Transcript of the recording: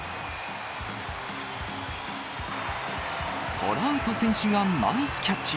トラウト選手がナイスキャッチ。